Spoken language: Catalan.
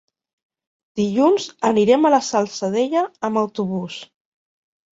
Dilluns anirem a la Salzadella amb autobús.